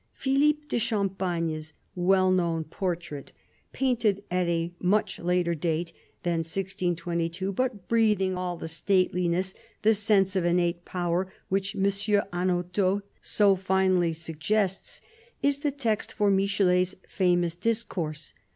Philippe de Champagne's well known portrait, painted at a much later date than 1622, but breathing aU the stateh ness, the sense of innate power, which M. Hanotaux so finely suggests, is the text for Michelet's i^mous discourse.